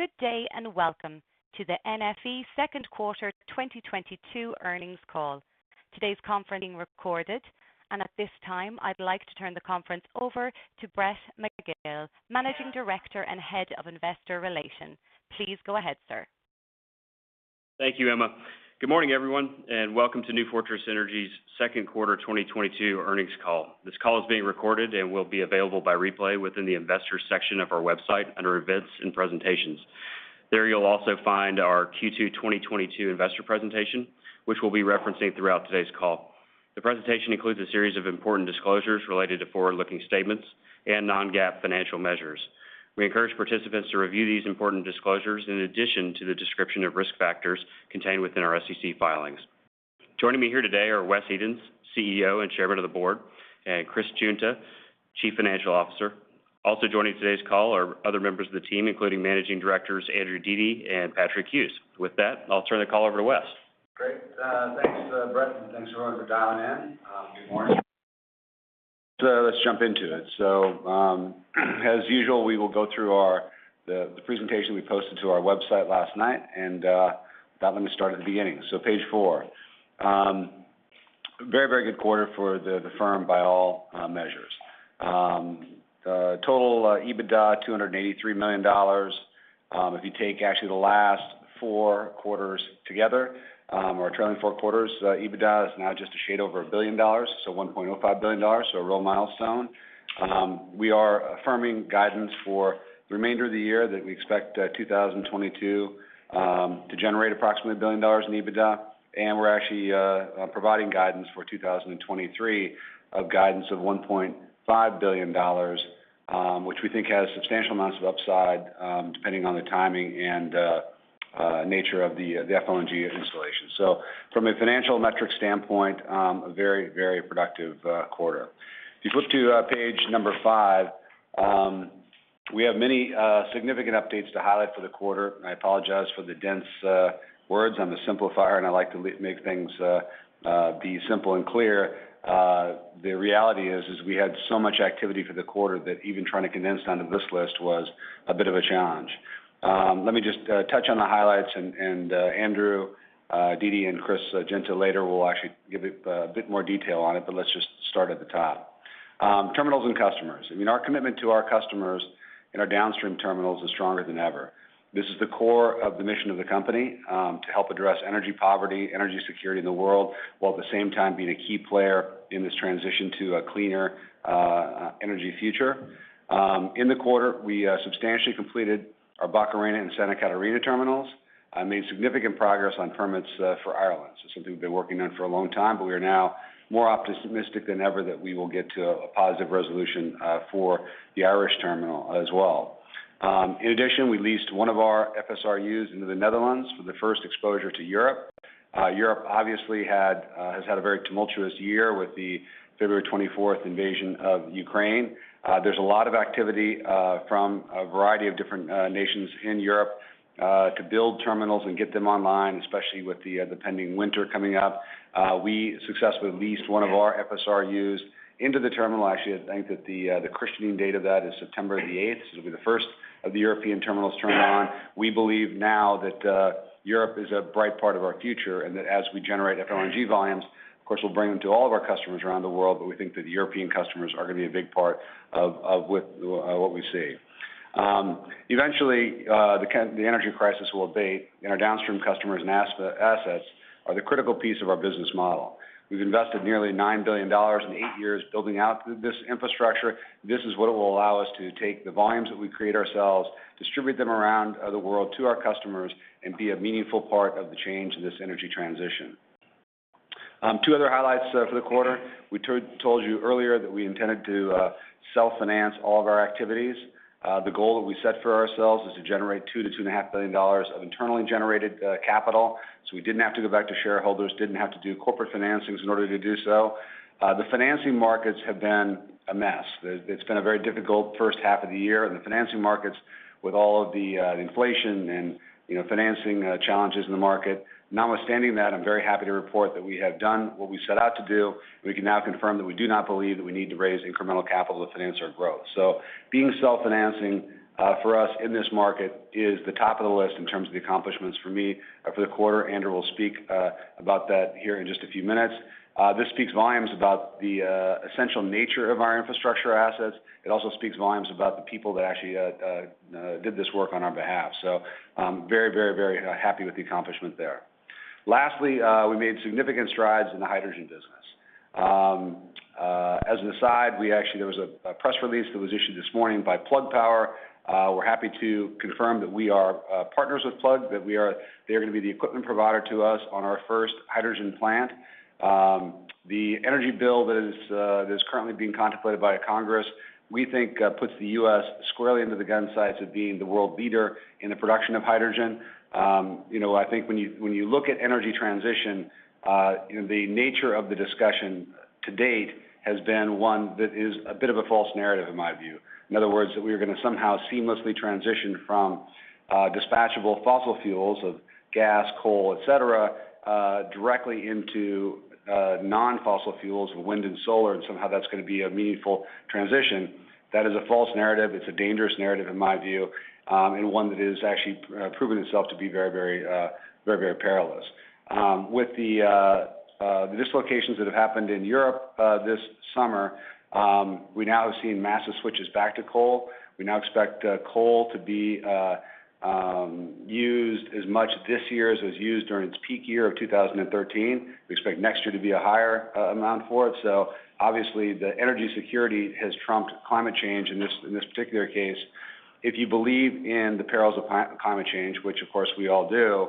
Good day, and welcome to the NFE Second Quarter 2022 Earnings Call. Today's conference is being recorded. At this time, I'd like to turn the conference over to Brett Magill, Managing Director and Head of Investor Relations. Please go ahead, sir. Thank you, Emma. Good morning, everyone, and welcome to New Fortress Energy's Second Quarter 2022 Earnings Call. This call is being recorded and will be available by replay within the Investors section of our website under Events and Presentations. There you'll also find our Q2 2022 investor presentation, which we'll be referencing throughout today's call. The presentation includes a series of important disclosures related to forward-looking statements and non-GAAP financial measures. We encourage participants to review these important disclosures in addition to the description of risk factors contained within our SEC filings. Joining me here today are Wes Edens, CEO and Chairman of the Board, and Chris Guinta, Chief Financial Officer. Also joining today's call are other members of the team, including Managing Directors Andrew Dete and Patrick Hughes. With that, I'll turn the call over to Wes. Great. Thanks, Brett, and thanks everyone for dialing in. Good morning. Let's jump into it. As usual, we will go through the presentation we posted to our website last night, and with that let me start at the beginning. Page four. Very, very good quarter for the firm by all measures. Total EBITDA $283 million. If you take actually the last four quarters together, our trailing four quarters EBITDA is now just a shade over a billion dollars, so $1.05 billion, so a real milestone. We are affirming guidance for the remainder of the year that we expect 2022 to generate approximately $1 billion in EBITDA. We're actually providing guidance for 2023 of $1.5 billion, which we think has substantial amounts of upside, depending on the timing and nature of the FLNG installation. From a financial metrics standpoint, a very, very productive quarter. If you flip to page five, we have many significant updates to highlight for the quarter. I apologize for the dense words. I'm a simplifier, and I like to make things be simple and clear. The reality is we had so much activity for the quarter that even trying to condense down to this list was a bit of a challenge. Let me just touch on the highlights and Andrew Dete and Chris Guinta later will actually give it a bit more detail on it, but let's just start at the top. Terminals and customers. I mean, our commitment to our customers and our downstream terminals is stronger than ever. This is the core of the mission of the company, to help address energy poverty, energy security in the world, while at the same time being a key player in this transition to a cleaner energy future. In the quarter, we substantially completed our Barcarena and Santa Catarina terminals and made significant progress on permits for Ireland. This is something we've been working on for a long time, but we are now more optimistic than ever that we will get to a positive resolution for the Irish terminal as well. In addition, we leased one of our FSRUs into the Netherlands for the first exposure to Europe. Europe obviously has had a very tumultuous year with the February 24th invasion of Ukraine. There's a lot of activity from a variety of different nations in Europe to build terminals and get them online, especially with the pending winter coming up. We successfully leased one of our FSRUs into the terminal. Actually, I think that the christening date of that is September the eighth. This will be the first of the European terminals turned on. We believe now that Europe is a bright part of our future, and that as we generate FLNG volumes, of course, we'll bring them to all of our customers around the world, but we think that the European customers are gonna be a big part of what we see. Eventually, the energy crisis will abate, and our downstream customers and assets are the critical piece of our business model. We've invested nearly $9 billion in eight years building out this infrastructure. This is what it will allow us to take the volumes that we create ourselves, distribute them around the world to our customers and be a meaningful part of the change in this energy transition. Two other highlights for the quarter. We told you earlier that we intended to self-finance all of our activities. The goal that we set for ourselves is to generate $2 billion-$2.5 billion of internally generated capital, so we didn't have to go back to shareholders, didn't have to do corporate financings in order to do so. The financing markets have been a mess. It's been a very difficult first half of the year in the financing markets with all of the inflation and, you know, financing challenges in the market. Notwithstanding that, I'm very happy to report that we have done what we set out to do, and we can now confirm that we do not believe that we need to raise incremental capital to finance our growth. Being self-financing for us in this market is the top of the list in terms of the accomplishments for me for the quarter. Andrew will speak about that here in just a few minutes. This speaks volumes about the essential nature of our infrastructure assets. It also speaks volumes about the people that actually did this work on our behalf. Very happy with the accomplishment there. Lastly, we made significant strides in the hydrogen business. As an aside, there was a press release that was issued this morning by Plug Power. We're happy to confirm that we are partners with Plug, they're gonna be the equipment provider to us on our first hydrogen plant. The energy bill that is currently being contemplated by Congress, we think, puts the U.S. squarely into the gun sights of being the world leader in the production of hydrogen. You know, I think when you look at energy transition, you know, the nature of the discussion to date has been one that is a bit of a false narrative in my view. In other words, that we are gonna somehow seamlessly transition from dispatchable fossil fuels of gas, coal, etc., directly into non-fossil fuels, wind and solar, and somehow that's gonna be a meaningful transition. That is a false narrative. It's a dangerous narrative in my view, and one that has actually proven itself to be very perilous. With the dislocations that have happened in Europe this summer, we now have seen massive switches back to coal. We now expect coal to be used as much this year as was used during its peak year of 2013. We expect next year to be a higher amount for it. Obviously the energy security has trumped climate change in this particular case. If you believe in the perils of climate change, which of course we all do,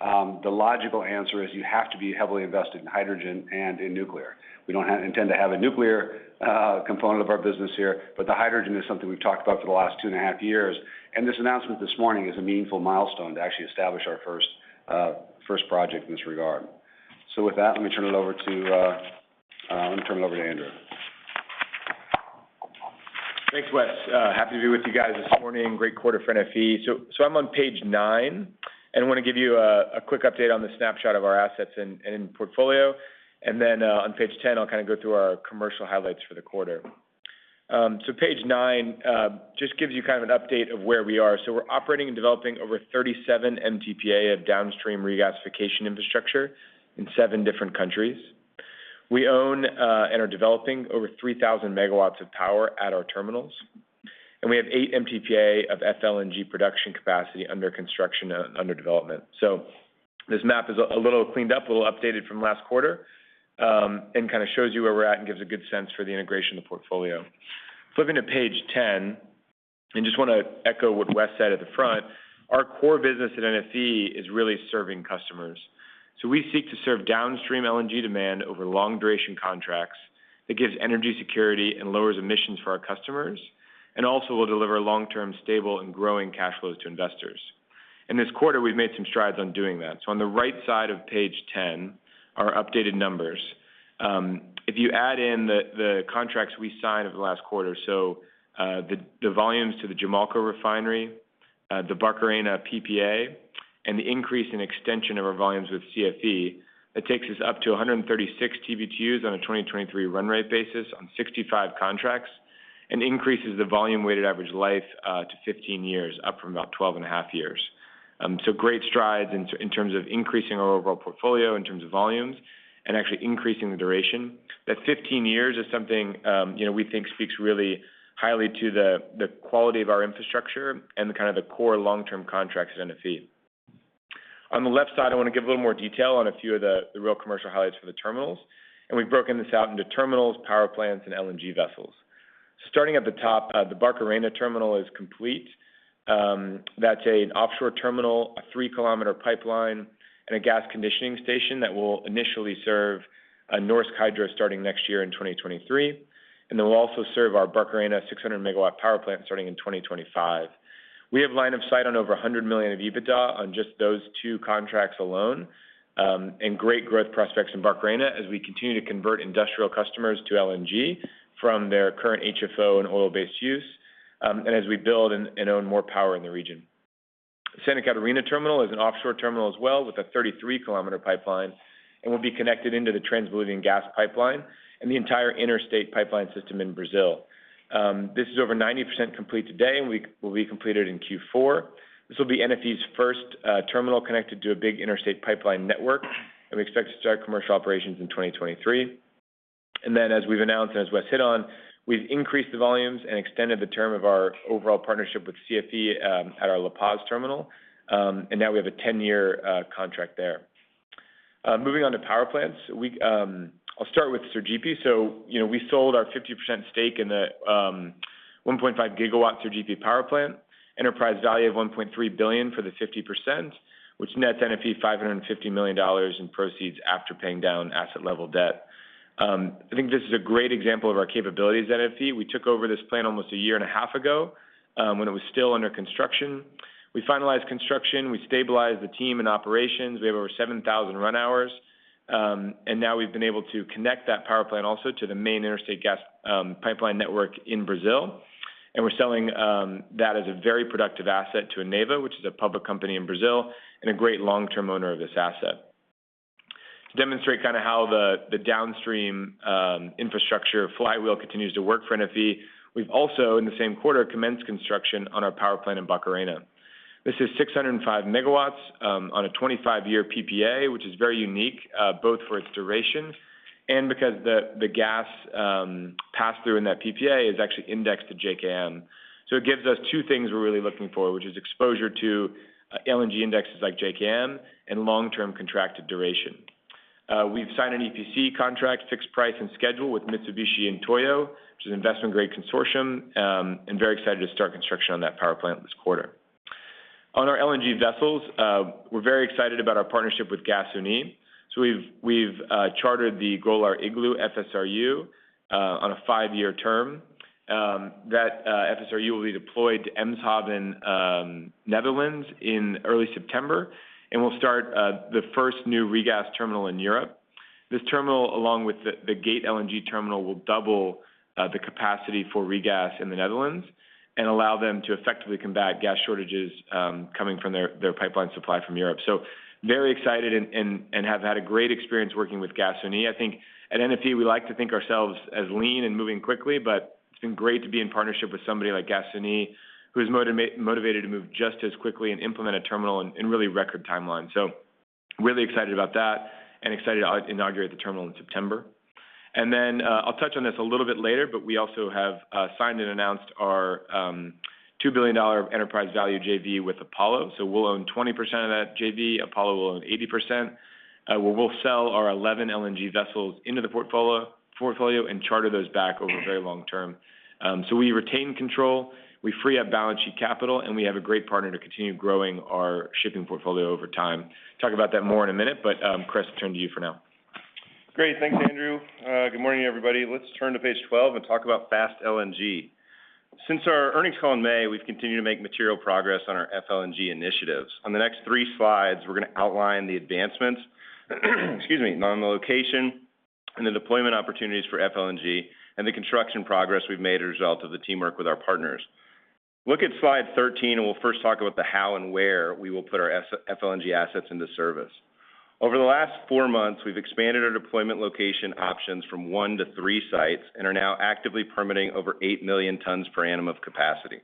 the logical answer is you have to be heavily invested in hydrogen and in nuclear. We don't intend to have a nuclear component of our business here, but the hydrogen is something we've talked about for the last two and a half years. This announcement this morning is a meaningful milestone to actually establish our first project in this regard. With that, let me turn it over to... Let me turn it over to Andrew. Thanks, Wes. Happy to be with you guys this morning. Great quarter for NFE. I'm on page nine, and I want to give you a quick update on the snapshot of our assets and portfolio. On page ten, I'll kind of go through our commercial highlights for the quarter. Page nine just gives you kind of an update of where we are. We're operating and developing over 37 MTPA of downstream regasification infrastructure in seven different countries. We own and are developing over 3,000 MW of power at our terminals. We have 8 MTPA of FLNG production capacity under construction, under development. This map is a little cleaned up, a little updated from last quarter, and kind of shows you where we're at and gives a good sense for the integration of the portfolio. Flipping to page 10, I just wanna echo what Wes said at the front. Our core business at NFE is really serving customers. We seek to serve downstream LNG demand over long duration contracts that gives energy security and lowers emissions for our customers and also will deliver long-term stable and growing cash flows to investors. In this quarter, we've made some strides on doing that. On the right side of page 10 are updated numbers. If you add in the contracts we signed over the last quarter, the volumes to the Jamalco refinery, the Barcarena PPA, and the increase in extension of our volumes with CFE, that takes us up to 136 TBtu on a 2023 run rate basis on 65 contracts and increases the volume weighted average life to 15 years, up from about 12.5 years. Great strides in terms of increasing our overall portfolio, in terms of volumes, and actually increasing the duration. That 15 years is something, you know, we think speaks really highly to the quality of our infrastructure and the kind of the core long-term contracts at NFE. On the left side, I wanna give a little more detail on a few of the real commercial highlights for the terminals. We've broken this out into terminals, power plants, and LNG vessels. Starting at the top, the Barcarena terminal is complete. That's an offshore terminal, a 3-km pipeline, and a gas conditioning station that will initially serve Norsk Hydro starting next year in 2023. Then we'll also serve our Barcarena 600-MW power plant starting in 2025. We have line of sight on over $100 million of EBITDA on just those two contracts alone, and great growth prospects in Barcarena as we continue to convert industrial customers to LNG from their current HFO and oil-based use, and as we build and own more power in the region. Santa Catarina terminal is an offshore terminal as well with a 33-km pipeline and will be connected into the Bolivia-Brazil pipeline and the entire interstate pipeline system in Brazil. This is over 90% complete today, and we will be completed in Q4. This will be NFE's first terminal connected to a big interstate pipeline network, and we expect to start commercial operations in 2023. Then as we've announced, and as Wes hit on, we've increased the volumes and extended the term of our overall partnership with CFE at our La Paz terminal, and now we have a 10-year contract there. Moving on to power plants, I'll start with Sergipe. You know, we sold our 50% stake in the 1.5 GW Sergipe power plant, enterprise value of $1.3 billion for the 50%, which nets NFE $550 million in proceeds after paying down asset level debt. I think this is a great example of our capabilities at NFE. We took over this plant almost a year and a half ago, when it was still under construction. We finalized construction. We stabilized the team and operations. We have over 7,000 run hours. Now we've been able to connect that power plant also to the main interstate gas pipeline network in Brazil. We're selling that as a very productive asset to Eneva, which is a public company in Brazil and a great long-term owner of this asset. To demonstrate kind of how the downstream infrastructure flywheel continues to work for NFE, we've also, in the same quarter, commenced construction on our power plant in Barcarena. This is 605 MW on a 25-year PPA, which is very unique both for its duration and because the gas pass through in that PPA is actually indexed to JKM. It gives us two things we're really looking for, which is exposure to LNG indexes like JKM and long-term contracted duration. We've signed an EPC contract, fixed price, and schedule with Mitsubishi and Toyo, which is an investment-grade consortium, and very excited to start construction on that power plant this quarter. On our LNG vessels, we're very excited about our partnership with Gasunie. We've chartered the Golar Igloo FSRU on a five-year term. That FSRU will be deployed to Eemshaven, Netherlands in early September and will start the first new regas terminal in Europe. This terminal, along with the Gate LNG terminal, will double the capacity for regas in the Netherlands and allow them to effectively combat gas shortages coming from their pipeline supply from Europe. Very excited and have had a great experience working with Gasunie. I think at NFE, we like to think ourselves as lean and moving quickly, but it's been great to be in partnership with somebody like Gasunie who is motivated to move just as quickly and implement a terminal in really record timeline. Really excited about that and excited to inaugurate the terminal in September. I'll touch on this a little bit later, but we also have signed and announced our $2 billion enterprise value JV with Apollo. We'll own 20% of that JV, Apollo will own 80%. We'll sell our 11 LNG vessels into the portfolio and charter those back over a very long term. We retain control, we free up balance sheet capital, and we have a great partner to continue growing our shipping portfolio over time. Talk about that more in a minute, Chris, turn to you for now. Great. Thanks, Andrew. Good morning, everybody. Let's turn to page 12 and talk about Fast LNG. Since our earnings call in May, we've continued to make material progress on our FLNG initiatives. On the next three slides, we're gonna outline the advancements, excuse me, on the location and the deployment opportunities for FLNG and the construction progress we've made as a result of the teamwork with our partners. Look at slide 13, and we'll first talk about the how and where we will put our FLNG assets into service. Over the last four months, we've expanded our deployment location options from one to three sites and are now actively permitting over 8 million tons per annum of capacity.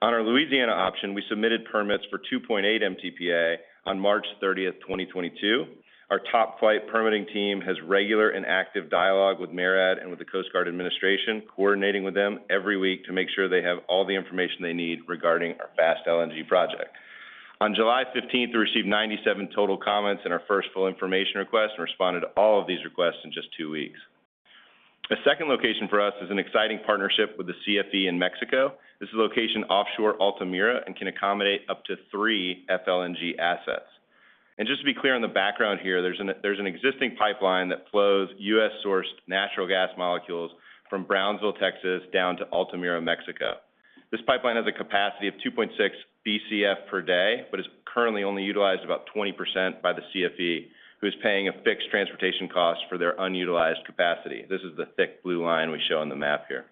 On our Louisiana option, we submitted permits for 2.8 MTPA on March 30th, 2022. Our top flight permitting team has regular and active dialogue with MARAD and with the Coast Guard administration, coordinating with them every week to make sure they have all the information they need regarding our Fast LNG project. On July 15th, we received 97 total comments in our first full information request and responded to all of these requests in just two weeks. A second location for us is an exciting partnership with the CFE in Mexico. This is a location offshore Altamira and can accommodate up to three FLNG assets. Just to be clear on the background here, there's an existing pipeline that flows U.S.-sourced natural gas molecules from Brownsville, Texas, down to Altamira, Mexico. This pipeline has a capacity of 2.6 Bcf per day, but is currently only utilized about 20% by the CFE, who is paying a fixed transportation cost for their unutilized capacity. This is the thick blue line we show on the map here.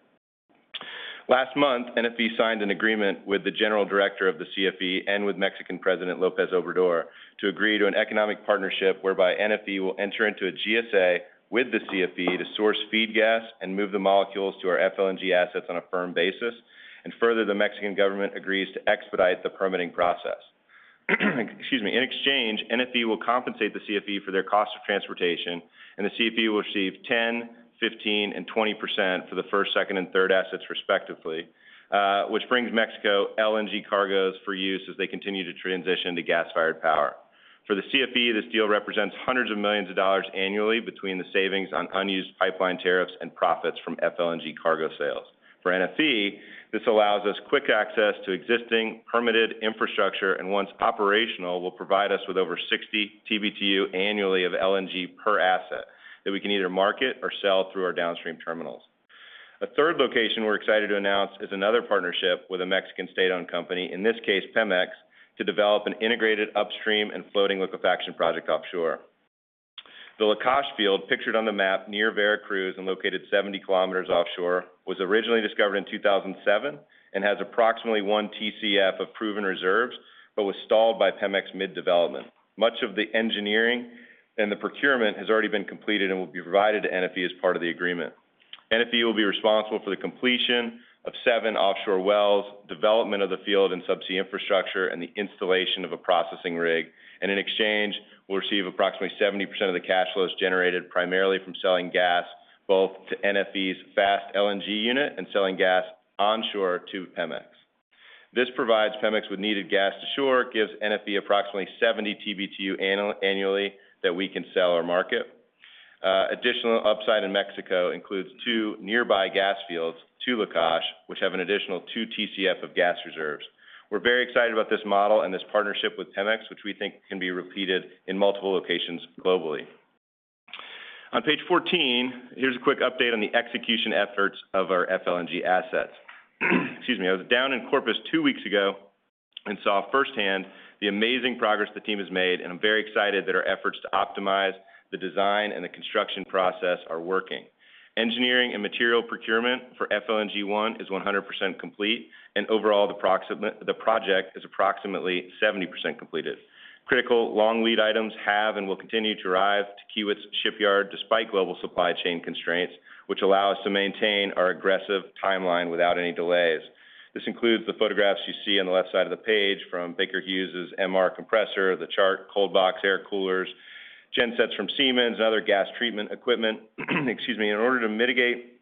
Last month, NFE signed an agreement with the General Director of the CFE and with Mexican President López Obrador to agree to an economic partnership whereby NFE will enter into a GSA with the CFE to source feed gas and move the molecules to our FLNG assets on a firm basis. Further, the Mexican government agrees to expedite the permitting process. Excuse me. In exchange, NFE will compensate the CFE for their cost of transportation, and the CFE will receive 10%, 15%, and 20% for the first, second, and third assets, respectively, which brings Mexico LNG cargoes for use as they continue to transition to gas-fired power. For the CFE, this deal represents hundreds of millions of dollars annually between the savings on unused pipeline tariffs and profits from FLNG cargo sales. For NFE, this allows us quick access to existing permitted infrastructure and once operational, will provide us with over 60 TBtu annually of LNG per asset that we can either market or sell through our downstream terminals. A third location we're excited to announce is another partnership with a Mexican state-owned company, in this case, Pemex, to develop an integrated upstream and floating liquefaction project offshore. The Lakach field pictured on the map near Veracruz and located 70 km offshore, was originally discovered in 2007 and has approximately 1 TCF of proven reserves, but was stalled by Pemex mid-development. Much of the engineering and the procurement has already been completed and will be provided to NFE as part of the agreement. NFE will be responsible for the completion of seven offshore wells, development of the field and subsea infrastructure, and the installation of a processing rig. In exchange, we'll receive approximately 70% of the cash flows generated primarily from selling gas, both to NFE's Fast LNG unit and selling gas onshore to Pemex. This provides Pemex with needed gas to shore, gives NFE approximately 70 TBtu annually that we can sell or market. Additional upside in Mexico includes two nearby gas fields to Lakach, which have an additional 2 TCF of gas reserves. We're very excited about this model and this partnership with Pemex, which we think can be repeated in multiple locations globally. On page 14, here's a quick update on the execution efforts of our FLNG assets. Excuse me. I was down in Corpus two weeks ago and saw firsthand the amazing progress the team has made, and I'm very excited that our efforts to optimize the design and the construction process are working. Engineering and material procurement for FLNG 1 is 100% complete, and overall, the project is approximately 70% completed. Critical long lead items have and will continue to arrive to Kiewit's shipyard despite global supply chain constraints, which allow us to maintain our aggressive timeline without any delays. This includes the photographs you see on the left side of the page from Baker Hughes' MR compressor, the Chart cold box air coolers, gen sets from Siemens, and other gas treatment equipment. Excuse me. In order to mitigate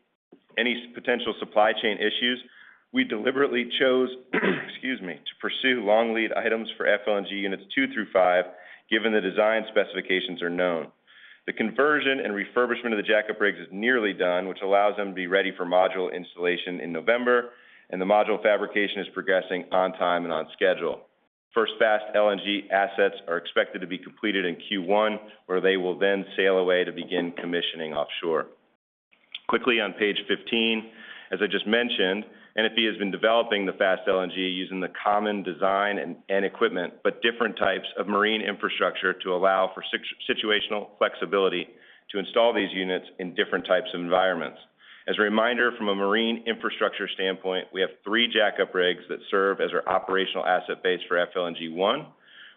any potential supply chain issues, we deliberately chose, excuse me, to pursue long lead items for FLNG units two through five, given the design specifications are known. The conversion and refurbishment of the jack-up rigs is nearly done, which allows them to be ready for module installation in November, and the module fabrication is progressing on time and on schedule. First Fast LNG assets are expected to be completed in Q1, where they will then sail away to begin commissioning offshore. Quickly on page 15, as I just mentioned, NFE has been developing the Fast LNG using the common design and equipment, but different types of marine infrastructure to allow for situational flexibility to install these units in different types of environments. As a reminder, from a marine infrastructure standpoint, we have three jack-up rigs that serve as our operational asset base for FLNG one.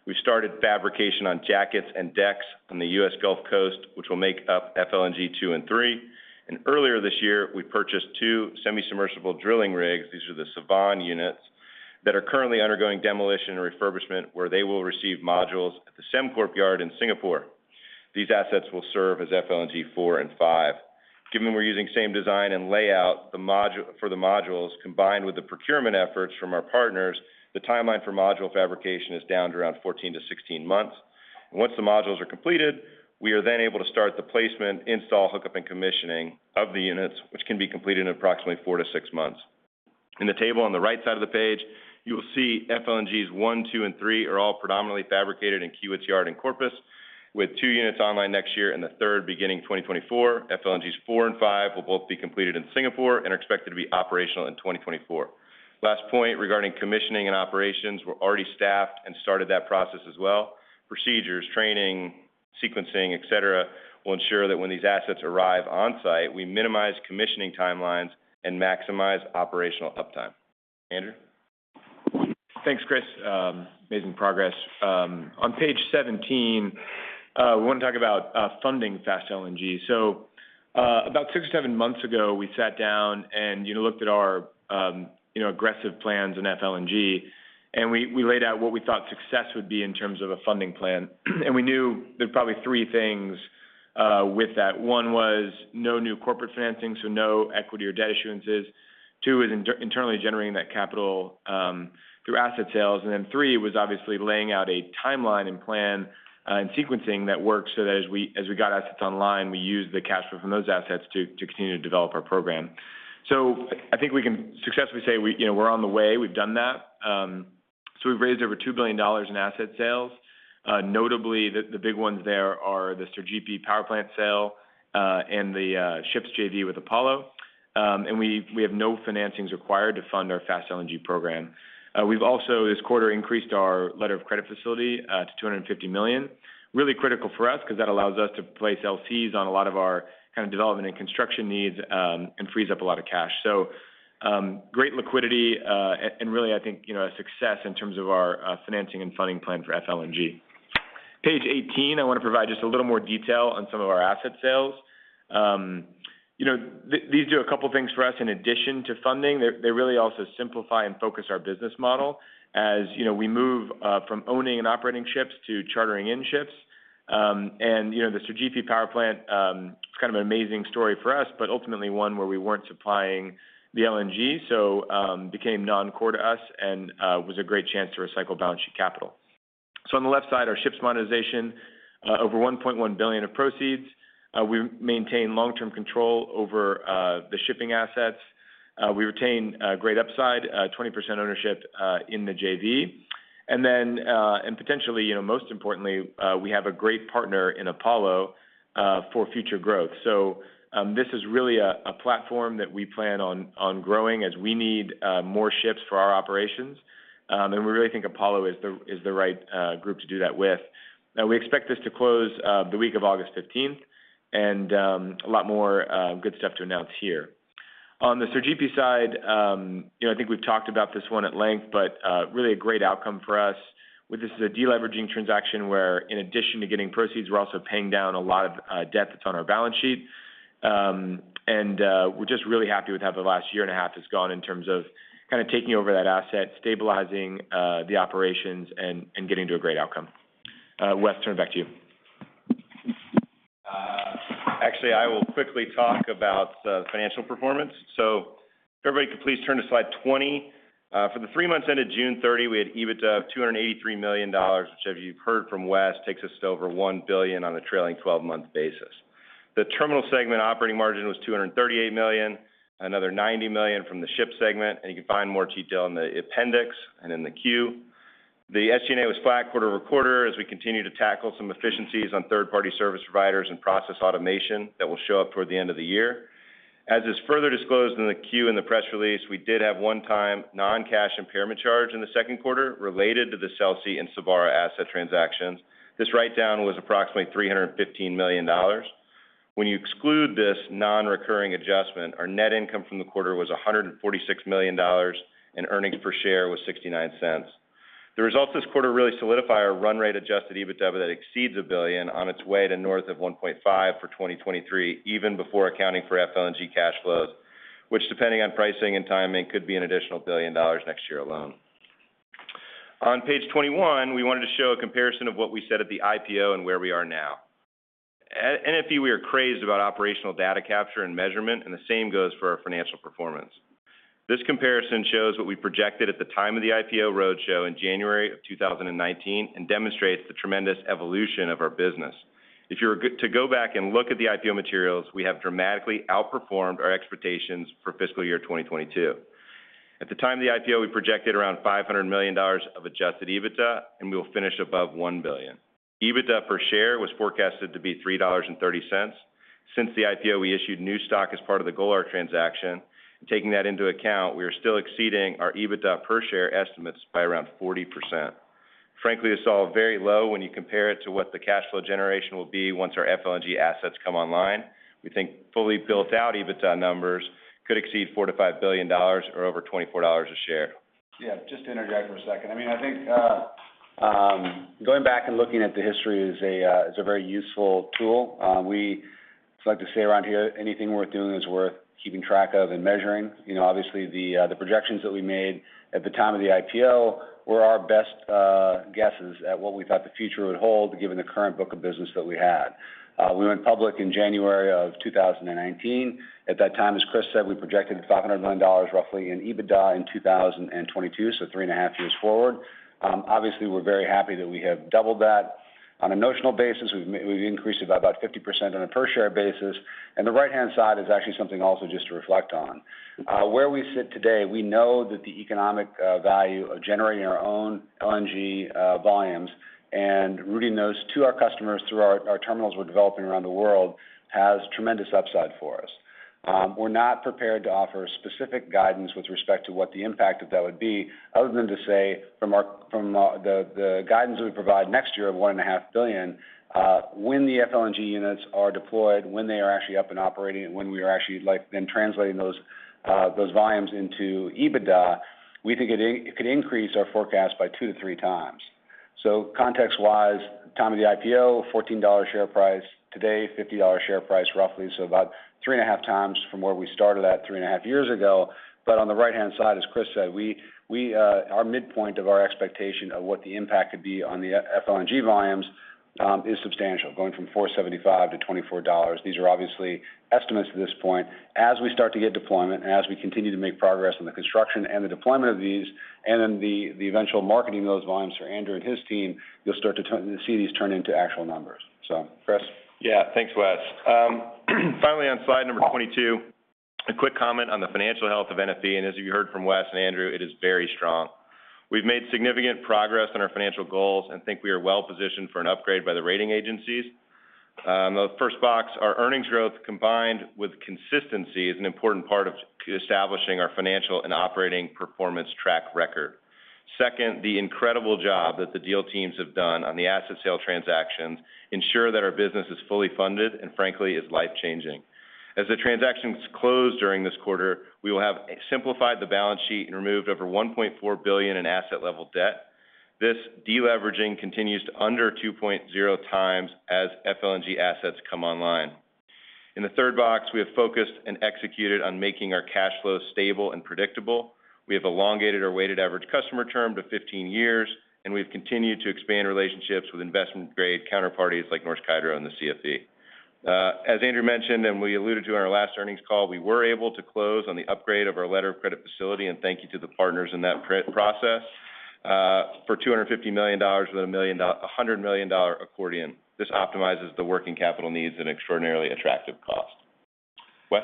We started fabrication on jackets and decks on the U.S. Gulf Coast, which will make up FLNG two and three. Earlier this year, we purchased two semi-submersible drilling rigs, these are the Sevan units, that are currently undergoing demolition and refurbishment, where they will receive modules at the Sembcorp yard in Singapore. These assets will serve as FLNG four and five. Given we're using same design and layout, the modu-- for the modules, combined with the procurement efforts from our partners, the timeline for module fabrication is down to around 14-16 months. Once the modules are completed, we are then able to start the placement, install, hookup, and commissioning of the units, which can be completed in approximately four-six months. In the table on the right side of the page, you will see FLNGs one, two and three are all predominantly fabricated in Kiewit's yard in Corpus, with two units online next year and the third beginning 2024. FLNGs four and five will both be completed in Singapore and are expected to be operational in 2024. Last point regarding commissioning and operations, we're already staffed and started that process as well. Procedures, training, sequencing, et cetera, will ensure that when these assets arrive on-site, we minimize commissioning timelines and maximize operational uptime. Andrew? Thanks, Chris. Amazing progress. On page 17, we wanna talk about funding Fast LNG. About six or seven months ago, we sat down and, you know, looked at our, you know, aggressive plans in FLNG, and we laid out what we thought success would be in terms of a funding plan. We knew there were probably three things with that. One was no new corporate financing, so no equity or debt issuances. Two is internally generating that capital through asset sales. Three was obviously laying out a timeline and plan and sequencing that works so that as we got assets online, we used the cash flow from those assets to continue to develop our program. I think we can successfully say we, you know, we're on the way. We've done that. We've raised over $2 billion in asset sales. Notably, the big ones there are the Sergipe power plant sale and the ships JV with Apollo. We have no financings required to fund our Fast LNG program. We've also this quarter increased our letter of credit facility to $250 million. Really critical for us 'cause that allows us to place LCs on a lot of our kind of development and construction needs and frees up a lot of cash. Great liquidity and really, I think, you know, a success in terms of our financing and funding plan for FLNG. Page 18, I wanna provide just a little more detail on some of our asset sales. These do a couple things for us in addition to funding. They really also simplify and focus our business model as, you know, we move from owning and operating ships to chartering in ships. You know, the Sergipe power plant is kind of an amazing story for us, but ultimately one where we weren't supplying the LNG, so became non-core to us and was a great chance to recycle balance sheet capital. On the left side, our ships monetization over $1.1 billion of proceeds. We maintain long-term control over the shipping assets. We retain great upside 20% ownership in the JV. Then, potentially, you know, most importantly, we have a great partner in Apollo for future growth. This is really a platform that we plan on growing as we need more ships for our operations. We really think Apollo is the right group to do that with. Now we expect this to close the week of August 15th, and a lot more good stuff to announce here. On the Sergipe side, you know, I think we've talked about this one at length, but really a great outcome for us. This is a de-leveraging transaction where in addition to getting proceeds, we're also paying down a lot of debt that's on our balance sheet. We're just really happy with how the last year and a half has gone in terms of kind of taking over that asset, stabilizing the operations and getting to a great outcome. Wes, turn it back to you. Actually, I will quickly talk about financial performance. If everybody could please turn to slide 20. For the three months ended June 30, we had EBITDA of $283 million, which as you've heard from Wes, takes us to over $1 billion on a trailing 12-month basis. The terminal segment operating margin was $238 million, another $90 million from the ship segment, and you can find more detail in the appendix and in the Q. The SG&A was flat quarter-over-quarter as we continue to tackle some efficiencies on third-party service providers and process automation that will show up toward the end of the year. As is further disclosed in the Q and the press release, we did have one-time non-cash impairment charge in the second quarter related to the CELSE and Savarre asset transactions. This write-down was approximately $315 million. When you exclude this non-recurring adjustment, our net income from the quarter was $146 million, and earnings per share was $0.69. The results this quarter really solidify our run rate Adjusted EBITDA that exceeds $1 billion on its way to north of 1.5 for 2023, even before accounting for FLNG cash flows, which depending on pricing and timing, could be an additional $1 billion next year alone. On page 21, we wanted to show a comparison of what we said at the IPO and where we are now. At NFE, we are crazed about operational data capture and measurement, and the same goes for our financial performance. This comparison shows what we projected at the time of the IPO roadshow in January of 2019 and demonstrates the tremendous evolution of our business. If you were to go back and look at the IPO materials, we have dramatically outperformed our expectations for fiscal year 2022. At the time of the IPO, we projected around $500 million of Adjusted EBITDA, and we will finish above $1 billion. EBITDA per share was forecasted to be $3.30. Since the IPO, we issued new stock as part of the Golar transaction. Taking that into account, we are still exceeding our EBITDA per share estimates by around 40%. Frankly, it's all very low when you compare it to what the cash flow generation will be once our FLNG assets come online. We think fully built out EBITDA numbers could exceed $4 billion-$5 billion or over $24 a share. Yeah, just to interject for a second. I mean, I think, going back and looking at the history is a very useful tool. We like to say around here, anything worth doing is worth keeping track of and measuring. You know, obviously, the projections that we made at the time of the IPO were our best guesses at what we thought the future would hold, given the current book of business that we had. We went public in January of 2019. At that time, as Chris said, we projected $500 million roughly in EBITDA in 2022, so three and a half years forward. Obviously, we're very happy that we have doubled that. On a notional basis, we've increased it by about 50% on a per share basis. The right-hand side is actually something also just to reflect on. Where we sit today, we know that the economic value of generating our own LNG volumes and routing those to our customers through our terminals we're developing around the world has tremendous upside for us. We're not prepared to offer specific guidance with respect to what the impact of that would be other than to say from the guidance we provide next year of $1.5 billion, when the FLNG units are deployed, when they are actually up and operating, and when we are actually, like, then translating those volumes into EBITDA, we think it could increase our forecast by 2x-3x. Context-wise, time of the IPO, $14 share price. Today, $50 share price, roughly. About 3.5x from where we started three and a half years ago. On the right-hand side, as Chris said, our midpoint of our expectation of what the impact could be on the Fast FLNG volumes is substantial, going from $4.75 to $24. These are obviously estimates at this point. As we start to get deployment, as we continue to make progress on the construction and the deployment of these, and then the eventual marketing of those volumes for Andrew and his team, you'll start to see these turn into actual numbers. Chris. Yeah. Thanks, Wes. Finally, on slide number 22, a quick comment on the financial health of NFE. As you heard from Wes and Andrew, it is very strong. We've made significant progress on our financial goals and think we are well-positioned for an upgrade by the rating agencies. The first box, our earnings growth combined with consistency is an important part of establishing our financial and operating performance track record. Second, the incredible job that the deal teams have done on the asset sale transactions ensure that our business is fully funded and frankly, is life-changing. As the transactions close during this quarter, we will have simplified the balance sheet and removed over $1.4 billion in asset level debt. This deleveraging continues to under 2.0x as FLNG assets come online. In the third box, we have focused and executed on making our cash flow stable and predictable. We have elongated our weighted average customer term to 15 years, and we've continued to expand relationships with investment-grade counterparties like Norsk Hydro and the CFE. As Andrew mentioned, and we alluded to in our last earnings call, we were able to close on the upgrade of our letter of credit facility, and thank you to the partners in that credit process, for $250 million with a $100 million accordion. This optimizes the working capital needs at an extraordinarily attractive cost. Wes.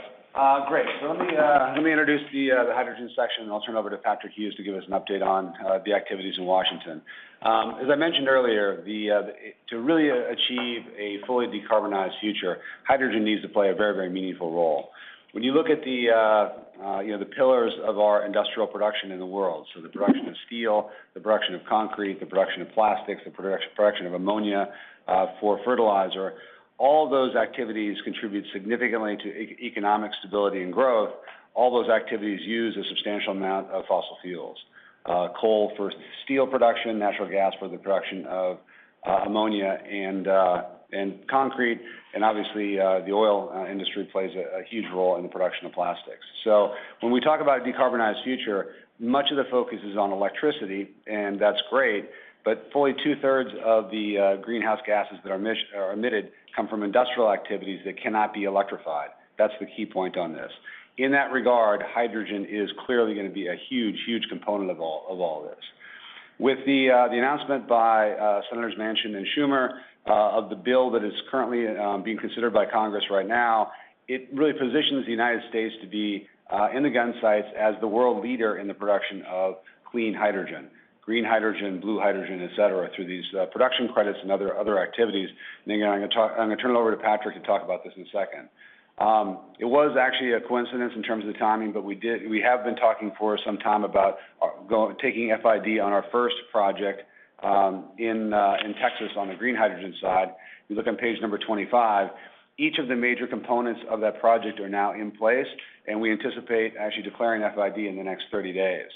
Great. Let me introduce the hydrogen section, and I'll turn it over to Patrick Hughes to give us an update on the activities in Washington. As I mentioned earlier, to really achieve a fully decarbonized future, hydrogen needs to play a very, very meaningful role. When you look at the you know, the pillars of our industrial production in the world, so the production of steel, the production of concrete, the production of plastics, the production of ammonia for fertilizer, all those activities contribute significantly to economic stability and growth. All those activities use a substantial amount of fossil fuels. Coal for steel production, natural gas for the production of ammonia and concrete, and obviously, the oil industry plays a huge role in the production of plastics. When we talk about a decarbonized future, much of the focus is on electricity, and that's great, but fully 2/3 of the greenhouse gases that are emitted come from industrial activities that cannot be electrified. That's the key point on this. In that regard, hydrogen is clearly gonna be a huge component of all this. With the announcement by Senators Manchin and Schumer of the bill that is currently being considered by Congress right now, it really positions the United States to be in the gunsights as the world leader in the production of clean hydrogen, green hydrogen, blue hydrogen, et cetera, through these production credits and other activities. Again, I'm gonna turn it over to Patrick to talk about this in a second. It was actually a coincidence in terms of the timing, but we have been talking for some time about taking FID on our first project in Texas on the green hydrogen side. If you look on page 25, each of the major components of that project are now in place, and we anticipate actually declaring FID in the next 30 days.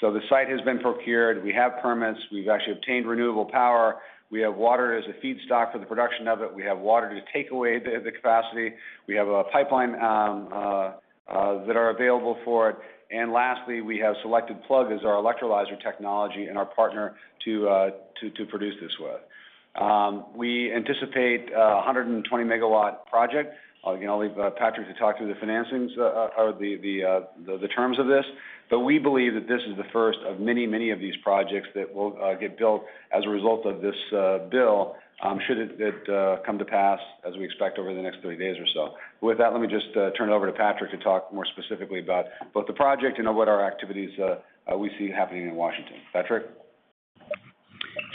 The site has been procured. We have permits. We've actually obtained renewable power. We have water as a feedstock for the production of it. We have water to take away the capacity. We have a pipeline that are available for it. And lastly, we have selected Plug as our electrolyzer technology and our partner to produce this with. We anticipate a 120 MW project. Again, I'll leave Patrick to talk through the financings or the terms of this. We believe that this is the first of many of these projects that will get built as a result of this bill should it come to pass as we expect over the next 30 days or so. With that, let me just turn it over to Patrick to talk more specifically about both the project and of what our activities we see happening in Washington. Patrick?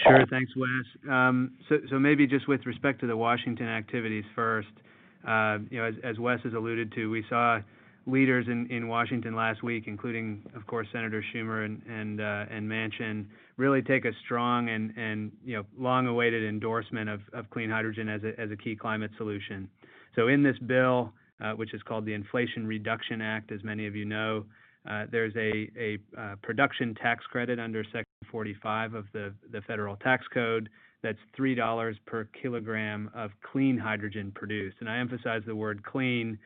Sure. Thanks, Wes. Maybe just with respect to the Washington activities first. You know, as Wes has alluded to, we saw leaders in Washington last week, including, of course, Senator Schumer and Manchin really take a strong and long-awaited endorsement of clean hydrogen as a key climate solution. In this bill, which is called the Inflation Reduction Act, as many of you know, there's a production tax credit under Section 45 of the federal tax code that's $3 per kilogram of clean hydrogen produced. I emphasize the word clean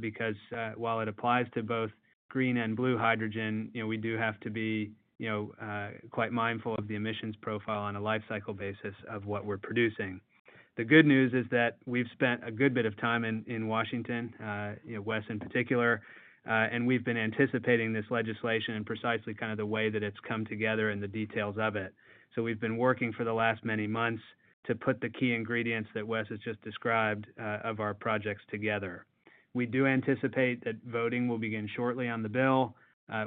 because while it applies to both green and blue hydrogen, you know, we do have to be, you know, quite mindful of the emissions profile on a life cycle basis of what we're producing. The good news is that we've spent a good bit of time in Washington, you know, Wes in particular, and we've been anticipating this legislation in precisely kind of the way that it's come together and the details of it. We've been working for the last many months to put the key ingredients that Wes has just described of our projects together. We do anticipate that voting will begin shortly on the bill.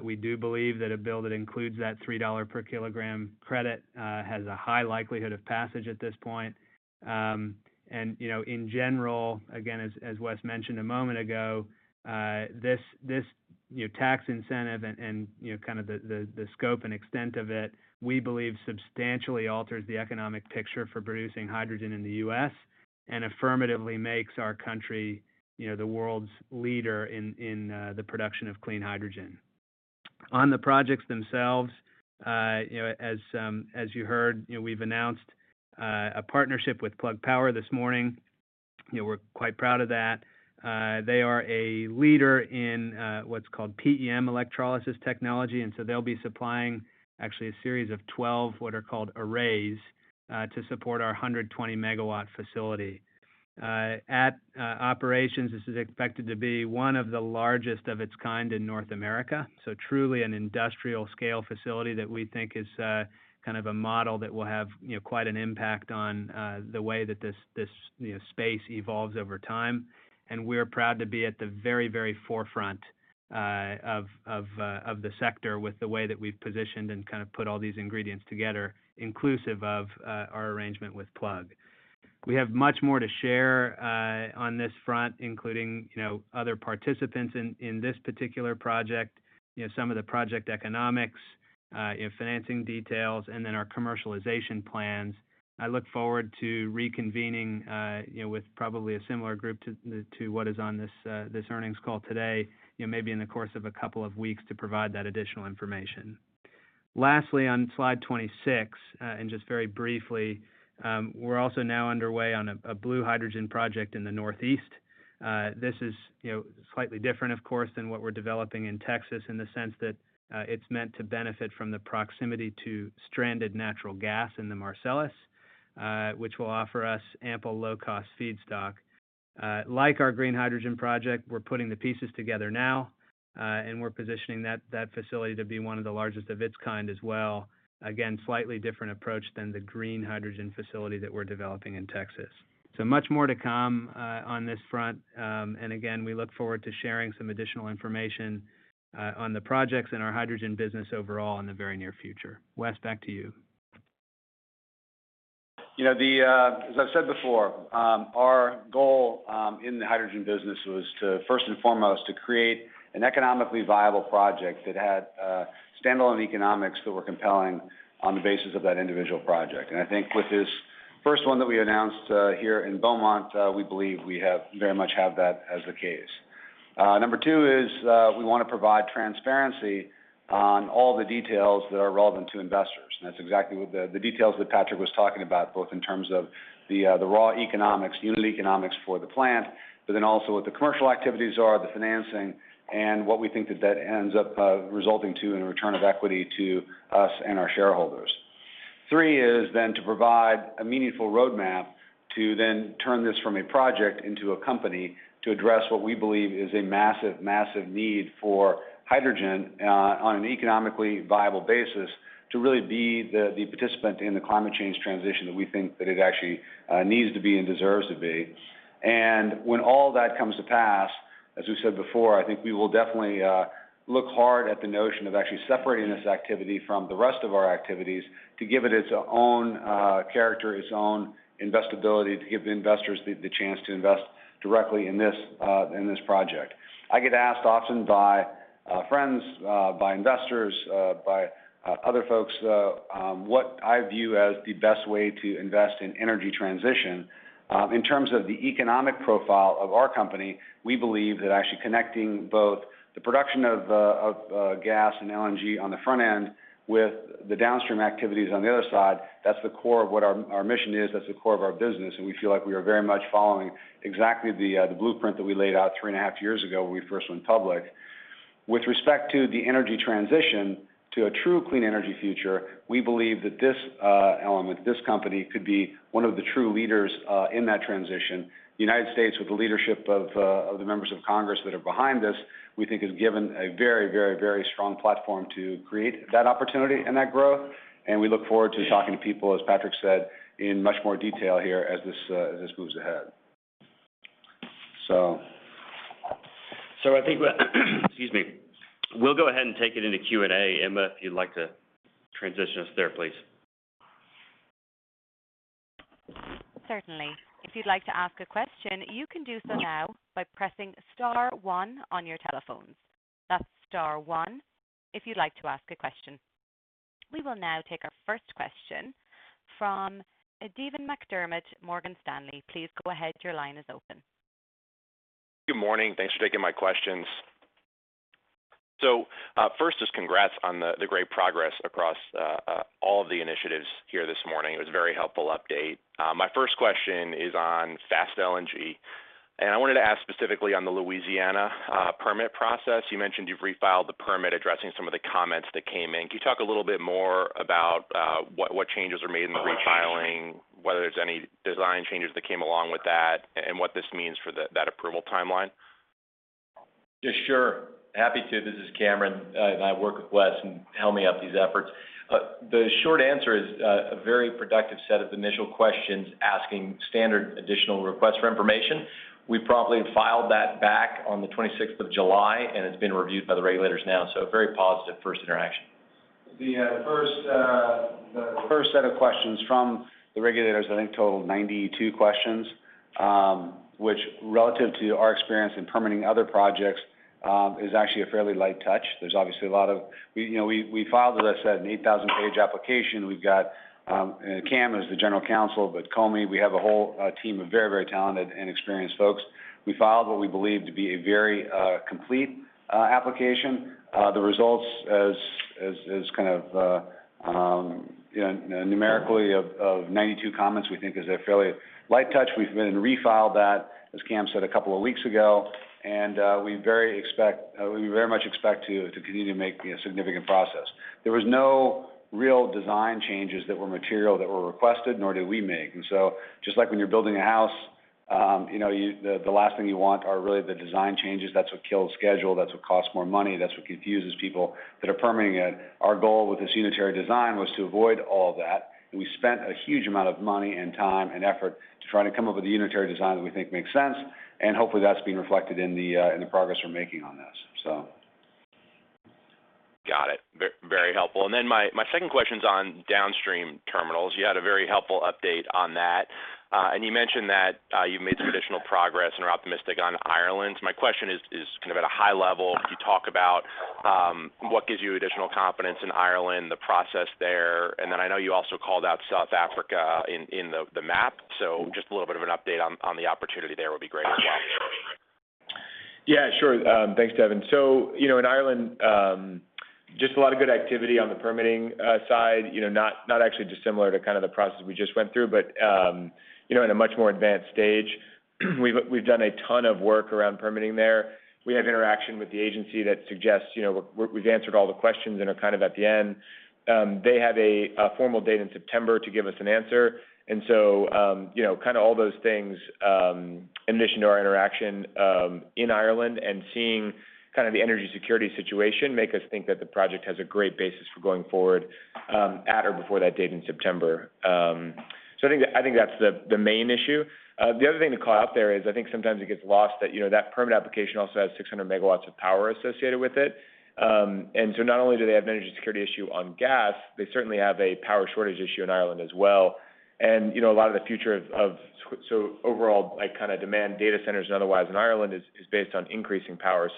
We do believe that a bill that includes that $3 per kilogram credit has a high likelihood of passage at this point. You know, in general, again, as Wes mentioned a moment ago, this new tax incentive and, you know, kind of the scope and extent of it, we believe substantially alters the economic picture for producing hydrogen in the U.S. and affirmatively makes our country, you know, the world's leader in the production of clean hydrogen. On the projects themselves, you know, as you heard, you know, we've announced a partnership with Plug Power this morning. You know, we're quite proud of that. They are a leader in what's called PEM electrolysis technology, and so they'll be supplying actually a series of 12, what are called arrays, to support our 120-MW facility. At operations, this is expected to be one of the largest of its kind in North America. Truly an industrial scale facility that we think is kind of a model that will have, you know, quite an impact on the way that this space evolves over time. We're proud to be at the very, very forefront of the sector with the way that we've positioned and kind of put all these ingredients together, inclusive of our arrangement with Plug. We have much more to share on this front, including, you know, other participants in this particular project, you know, some of the project economics, you know, financing details, and then our commercialization plans. I look forward to reconvening, you know, with probably a similar group to what is on this earnings call today, you know, maybe in the course of a couple of weeks to provide that additional information. Lastly, on slide 26, and just very briefly, we're also now underway on a blue hydrogen project in the Northeast. This is, you know, slightly different, of course, than what we're developing in Texas in the sense that it's meant to benefit from the proximity to stranded natural gas in the Marcellus, which will offer us ample low-cost feedstock. Like our green hydrogen project, we're putting the pieces together now, and we're positioning that facility to be one of the largest of its kind as well. Again, slightly different approach than the green hydrogen facility that we're developing in Texas. Much more to come on this front. Again, we look forward to sharing some additional information on the projects and our hydrogen business overall in the very near future. Wes, back to you. You know, the, as I've said before, our goal, in the hydrogen business was to, first and foremost, to create an economically viable project that had, standalone economics that were compelling on the basis of that individual project. I think with this first one that we announced, here in Beaumont, we believe we very much have that as the case. Number two is, we wanna provide transparency on all the details that are relevant to investors. That's exactly what the details that Patrick was talking about, both in terms of the raw economics, unit economics for the plant, but then also what the commercial activities are, the financing, and what we think that ends up, resulting to in a return of equity to us and our shareholders. Three is then to provide a meaningful roadmap to then turn this from a project into a company to address what we believe is a massive need for hydrogen, on an economically viable basis to really be the participant in the climate change transition that we think that it actually needs to be and deserves to be. When all that comes to pass, as we said before, I think we will definitely look hard at the notion of actually separating this activity from the rest of our activities to give it its own character, its own investability, to give the investors the chance to invest directly in this project. I get asked often by friends, by investors, by other folks, what I view as the best way to invest in energy transition. In terms of the economic profile of our company, we believe that actually connecting both the production of gas and LNG on the front end with the downstream activities on the other side, that's the core of what our mission is, that's the core of our business, and we feel like we are very much following exactly the blueprint that we laid out three and a half years ago when we first went public. With respect to the energy transition to a true clean energy future, we believe that this element, this company could be one of the true leaders in that transition. The United States, with the leadership of the members of Congress that are behind this, we think, has given a very, very, very strong platform to create that opportunity and that growth. We look forward to talking to people, as Patrick said, in much more detail here as this moves ahead. Excuse me. We'll go ahead and take it into Q&A. Emma, if you'd like to transition us there, please. Certainly. If you'd like to ask a question, you can do so now by pressing star one on your telephones. That's star one if you'd like to ask a question. We will now take our first question from Devin McDermott, Morgan Stanley. Please go ahead. Your line is open. Good morning. Thanks for taking my questions. First just congrats on the great progress across all of the initiatives here this morning. It was a very helpful update. My first question is on Fast LNG. I wanted to ask specifically on the Louisiana permit process. You mentioned you've refiled the permit addressing some of the comments that came in. Can you talk a little bit more about what changes were made in the refiling, whether there's any design changes that came along with that and what this means for that approval timeline? Yeah, sure. Happy to. This is Cameron. I work with Wes and help map out these efforts. The short answer is, a very productive set of initial questions and standard additional requests for information. We promptly filed that back on the July 26th, and it's being reviewed by the regulators now. A very positive first interaction. The first set of questions from the regulators, I think, totaled 92 questions, which relative to our experience in permitting other projects, is actually a fairly light touch. We, you know, filed, as I said, an 8,000-page application. We've got, and Cameron is the general counsel, we have a whole team of very talented and experienced folks. We filed what we believe to be a very complete application. The results as kind of, you know, numerically of 92 comments, we think is a fairly light touch. We have refiled that, as Cameron said, a couple of weeks ago. We very much expect to continue to make significant progress. There was no real design changes that were material that were requested, nor did we make. Just like when you're building a house, you know, the last thing you want are really the design changes. That's what kills schedule. That's what costs more money. That's what confuses people that are permitting it. Our goal with this unitary design was to avoid all of that. We spent a huge amount of money and time and effort to try to come up with a unitary design that we think makes sense, and hopefully that's being reflected in the progress we're making on this, so. Got it. Very helpful. My second question's on downstream terminals. You had a very helpful update on that. You mentioned that you've made some additional progress and are optimistic on Ireland. My question is kind of at a high level. Can you talk about what gives you additional confidence in Ireland, the process there? I know you also called out South Africa in the map. Just a little bit of an update on the opportunity there would be great as well. Yeah, sure. Thanks, Devin. You know, in Ireland, just a lot of good activity on the permitting side. You know, not actually dissimilar to kind of the process we just went through, but you know, in a much more advanced stage. We've done a ton of work around permitting there. We have interaction with the agency that suggests, you know, we've answered all the questions and are kind of at the end. They have a formal date in September to give us an answer. You know, kinda all those things in addition to our interaction in Ireland and seeing kind of the energy security situation make us think that the project has a great basis for going forward at or before that date in September. I think that's the main issue. The other thing to call out there is I think sometimes it gets lost that, you know, that permit application also has 600 MW of power associated with it. Not only do they have an energy security issue on gas, they certainly have a power shortage issue in Ireland as well. You know, a lot of the future so overall, like, kind of demand data centers and otherwise in Ireland is based on increasing power.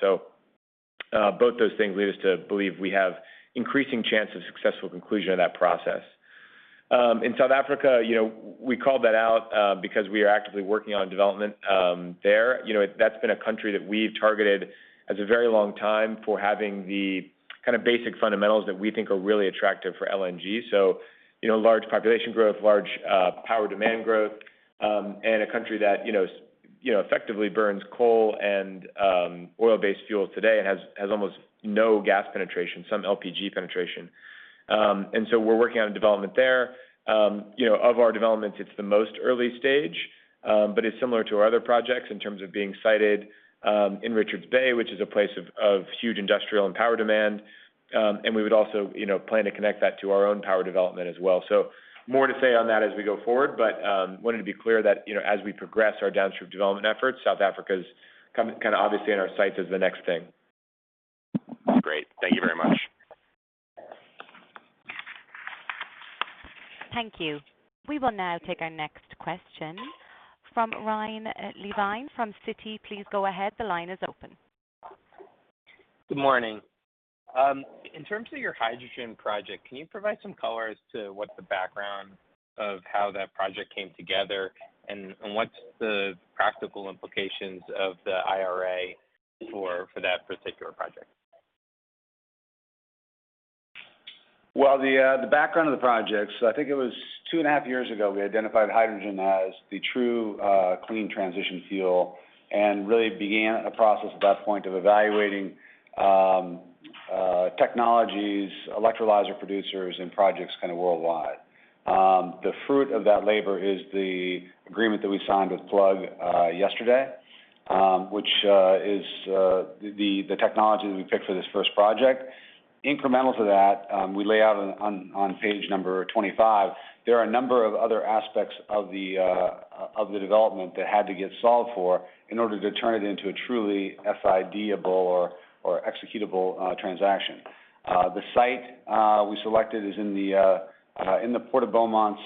Both those things lead us to believe we have increasing chance of successful conclusion of that process. In South Africa, you know, we called that out, because we are actively working on development there. You know, that's been a country that we've targeted as a very long time for having the kind of basic fundamentals that we think are really attractive for LNG. You know, large population growth, large power demand growth, and a country that, you know, effectively burns coal and oil-based fuels today and has almost no gas penetration, some LPG penetration. We're working on a development there. You know, of our developments, it's the most early stage, but it's similar to our other projects in terms of being cited in Richards Bay, which is a place of huge industrial and power demand. We would also, you know, plan to connect that to our own power development as well. More to say on that as we go forward, but wanted to be clear that, you know, as we progress our downstream development efforts, South Africa is kind of obviously in our sights as the next thing. Great. Thank you very much. Thank you. We will now take our next question from Ryan Levine from Citi. Please go ahead. The line is open. Good morning. In terms of your hydrogen project, can you provide some color as to what the background of how that project came together and what's the practical implications of the IRA for that particular project? Well, the background of the projects, I think it was two and a half years ago, we identified hydrogen as the true clean transition fuel and really began a process at that point of evaluating technologies, electrolyzer producers and projects kind of worldwide. The fruit of that labor is the agreement that we signed with Plug yesterday, which is the technology that we picked for this first project. Incremental to that, we lay out on page number 25, there are a number of other aspects of the development that had to get solved for in order to turn it into a truly FID-able or executable transaction. The site we selected is in the Port of Beaumont's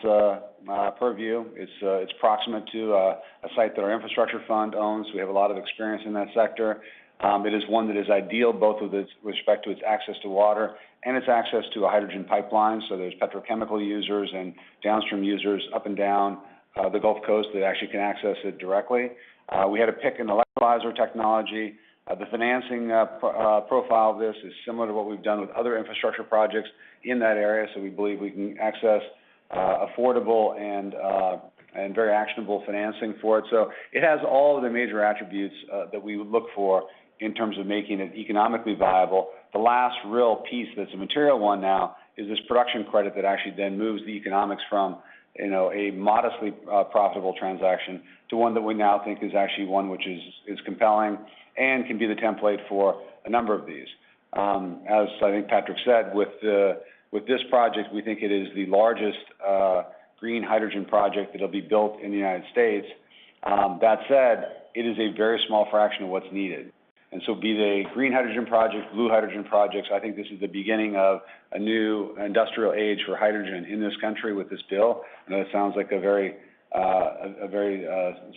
purview. It's proximate to a site that our infrastructure fund owns. We have a lot of experience in that sector. It is one that is ideal, both with respect to its access to water and its access to a hydrogen pipeline. There's petrochemical users and downstream users up and down the Gulf Coast that actually can access it directly. We had to pick an electrolyzer technology. The financing profile of this is similar to what we've done with other infrastructure projects in that area. We believe we can access affordable and very actionable financing for it. It has all of the major attributes that we would look for in terms of making it economically viable. The last real piece that's a material one now is this production credit that actually then moves the economics from, you know, a modestly profitable transaction to one that we now think is actually one which is compelling and can be the template for a number of these. As I think Patrick said, with this project, we think it is the largest green hydrogen project that'll be built in the United States. That said, it is a very small fraction of what's needed. Be they green hydrogen projects, blue hydrogen projects, I think this is the beginning of a new industrial age for hydrogen in this country with this bill. I know it sounds like a very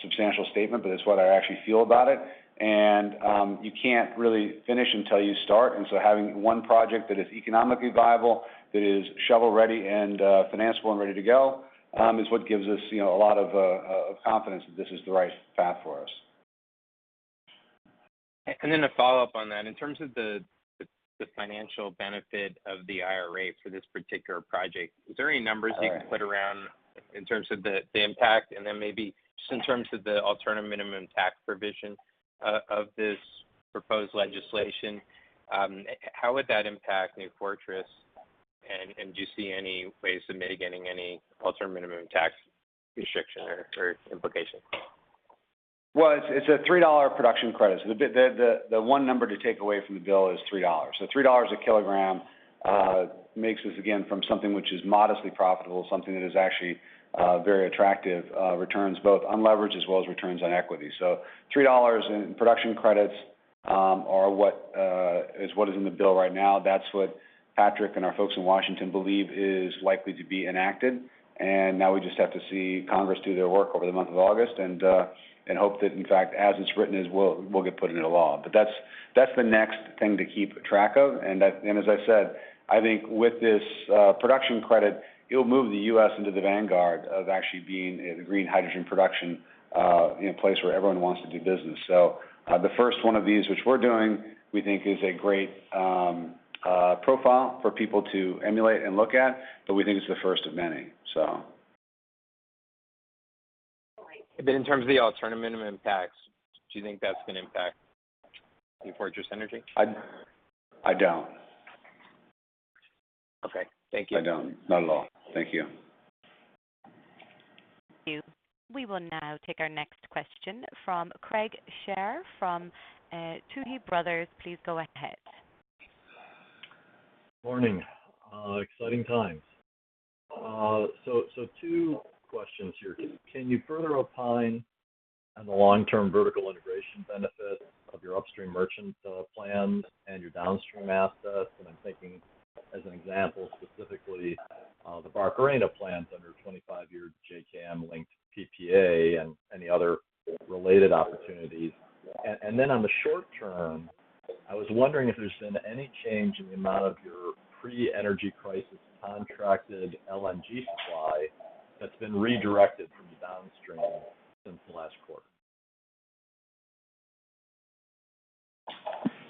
substantial statement, but it's what I actually feel about it. You can't really finish until you start. Having one project that is economically viable, that is shovel-ready and financeable and ready to go is what gives us, you know, a lot of confidence that this is the right path for us. To follow up on that, in terms of the financial benefit of the IRA for this particular project, is there any numbers you can put around in terms of the impact and then maybe just in terms of the alternative minimum tax provision of this proposed legislation, how would that impact New Fortress and do you see any ways of mitigating any alternative minimum tax restriction or implication? It's a $3 production credit. So the one number to take away from the bill is $3. $3 a kilogram makes this, again, from something which is modestly profitable, something that is actually very attractive returns both unleveraged as well as returns on equity. $3 in production credits are what is in the bill right now. That's what Patrick and our folks in Washington believe is likely to be enacted. Now we just have to see Congress do their work over the month of August and hope that, in fact, as it's written, it will get put into law. That's the next thing to keep track of. That, as I said, I think with this production credit, it will move the U.S. into the vanguard of actually being a green hydrogen production place where everyone wants to do business. The first one of these, which we're doing, we think is a great profile for people to emulate and look at, but we think it's the first of many. In terms of the alternative minimum tax, do you think that's gonna impact New Fortress Energy? I don't. Okay. Thank you. I don't. Not at all. Thank you. Thank you. We will now take our next question from Craig Shere from Tuohy Brothers. Please go ahead. Morning. Exciting times. Two questions here. Can you further opine on the long-term vertical integration benefit of your upstream merchant plans and your downstream assets? I'm thinking as an example, specifically, the Barcarena plans under a 25-year JKM-linked PPA and any other related opportunities. Then on the short term, I was wondering if there's been any change in the amount of your pre-energy crisis contracted LNG supply that's been redirected from the downstream since the last quarter.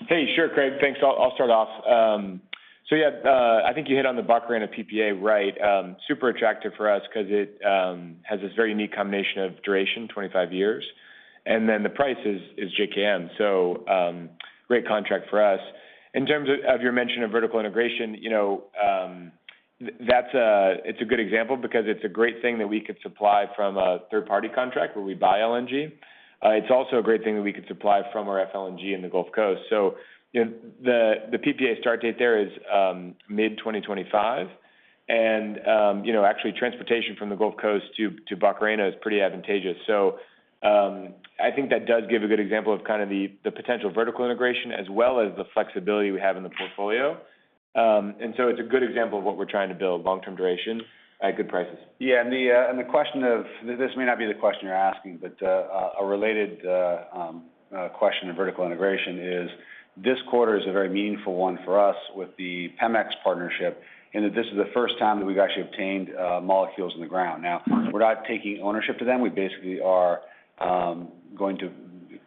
Hey. Sure, Craig. Thanks. I'll start off. Yeah, I think you hit on the Barcarena PPA right. Super attractive for us 'cause it has this very unique combination of duration, 25 years, and then the price is JKM. Great contract for us. In terms of your mention of vertical integration, you know, that's a good example because it's a great thing that we could supply from a third-party contract where we buy LNG. It's also a great thing that we could supply from our FLNG in the Gulf Coast. You know, the PPA start date there is mid-2025. You know, actually, transportation from the Gulf Coast to Barcarena is pretty advantageous. I think that does give a good example of kind of the potential vertical integration as well as the flexibility we have in the portfolio. It's a good example of what we're trying to build, long-term duration at good prices. Yeah. The question of this may not be the question you're asking, but a related question of vertical integration is this quarter a very meaningful one for us with the Pemex partnership, in that this is the first time that we've actually obtained molecules in the ground. Now, we're not taking ownership of them. We basically are going to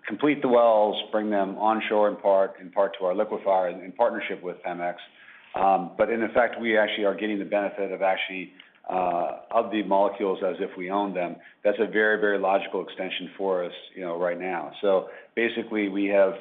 complete the wells, bring them onshore in part to our liquefier in partnership with Pemex. In effect, we actually are getting the benefit of actually of the molecules as if we own them. That's a very, very logical extension for us, you know, right now. Basically, we have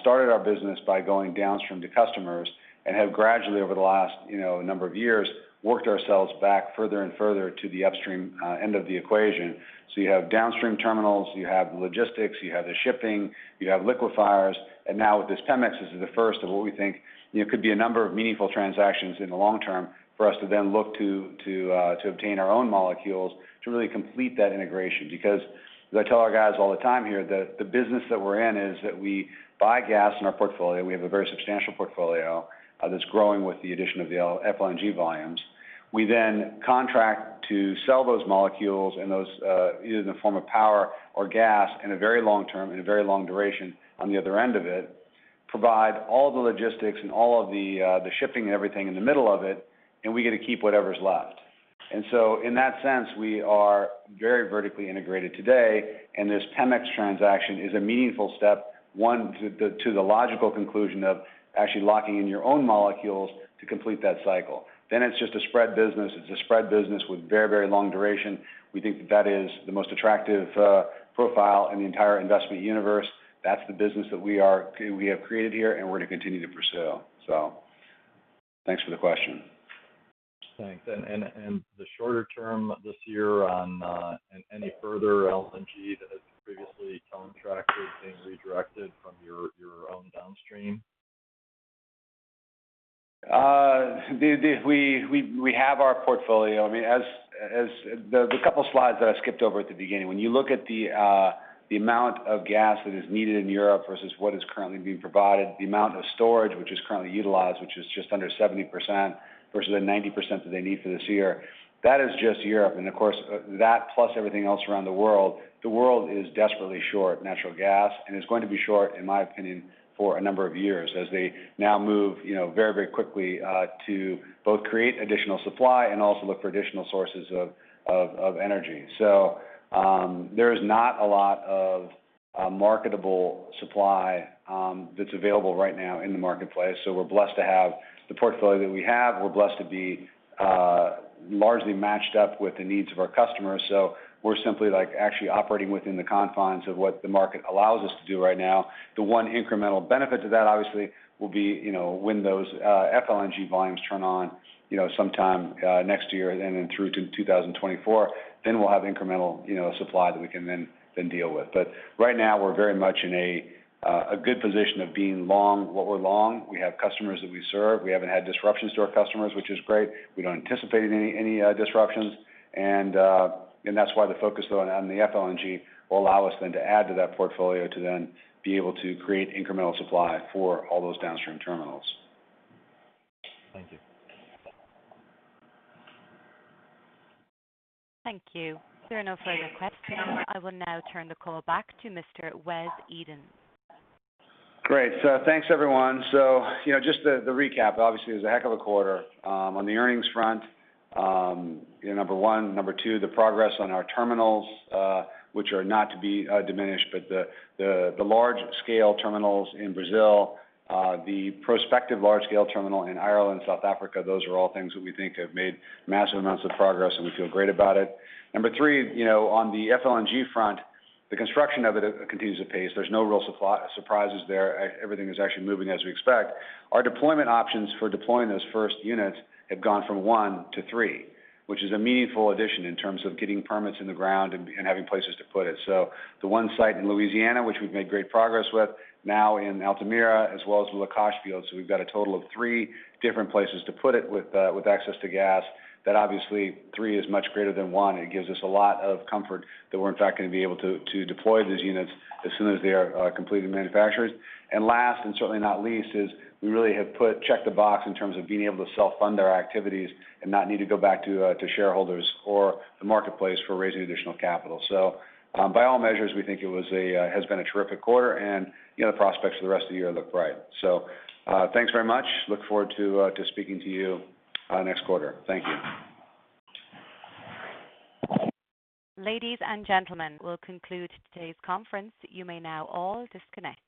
started our business by going downstream to customers and have gradually over the last, you know, number of years, worked ourselves back further and further to the upstream end of the equation. You have downstream terminals, you have logistics, you have the shipping, you have liquefiers, and now with this Pemex, this is the first of what we think, you know, could be a number of meaningful transactions in the long term for us to then look to obtain our own molecules. To really complete that integration. Because as I tell our guys all the time here, the business that we're in is that we buy gas in our portfolio. We have a very substantial portfolio, that's growing with the addition of the FLNG volumes. We then contract to sell those molecules and those either in the form of power or gas in a very long term, in a very long duration on the other end of it. Provide all the logistics and all of the the shipping and everything in the middle of it, and we get to keep whatever's left. In that sense, we are very vertically integrated today, and this Pemex transaction is a meaningful step to the logical conclusion of actually locking in your own molecules to complete that cycle. It's just a spread business. It's a spread business with very, very long duration. We think that is the most attractive profile in the entire investment universe. That's the business that we have created here and we're gonna continue to pursue. Thanks for the question. Thanks. The shorter term this year on any further LNG that has previously contracted being redirected from your own downstream? We have our portfolio. I mean, the couple slides that I skipped over at the beginning. When you look at the amount of gas that is needed in Europe versus what is currently being provided, the amount of storage which is currently utilized, which is just under 70% versus the 90% that they need for this year, that is just Europe. Of course, that plus everything else around the world, the world is desperately short natural gas and is going to be short, in my opinion, for a number of years as they now move, you know, very quickly to both create additional supply and also look for additional sources of energy. There is not a lot of marketable supply that's available right now in the marketplace. We're blessed to have the portfolio that we have. We're blessed to be largely matched up with the needs of our customers. We're simply, like, actually operating within the confines of what the market allows us to do right now. The one incremental benefit to that obviously will be, you know, when those FLNG volumes turn on, you know, sometime next year and then through to 2024. We'll have incremental, you know, supply that we can then deal with. Right now, we're very much in a good position of being long what we're long. We have customers that we serve. We haven't had disruptions to our customers, which is great. We don't anticipate any disruptions. That's why the focus on the FLNG will allow us then to add to that portfolio to then be able to create incremental supply for all those downstream terminals. Thank you. Thank you. There are no further questions. I will now turn the call back to Mr. Wes Edens. Great. Thanks, everyone. You know, just the recap, obviously it was a heck of a quarter. On the earnings front, you know, number one. Number two, the progress on our terminals, which are not to be diminished, but the large-scale terminals in Brazil, the prospective large-scale terminal in Ireland, South Africa, those are all things that we think have made massive amounts of progress, and we feel great about it. Number three, you know, on the FLNG front, the construction of it continues on pace. There's no real supply surprises there. Everything is actually moving as we expect. Our deployment options for deploying those first units have gone from one to three, which is a meaningful addition in terms of getting permits in the ground and having places to put it. The one site in Louisiana, which we've made great progress with, now in Altamira, as well as the Lakach field. We've got a total of three different places to put it with access to gas. That obviously three is much greater than one. It gives us a lot of comfort that we're in fact gonna be able to deploy these units as soon as they are completed and manufactured. Last, and certainly not least, is we really have checked the box in terms of being able to self-fund our activities and not need to go back to shareholders or the marketplace for raising additional capital. By all measures, we think it has been a terrific quarter and, you know, the prospects for the rest of the year look bright. Thanks very much. Look forward to speaking to you next quarter. Thank you. Ladies and gentlemen, we'll conclude today's conference. You may now all disconnect.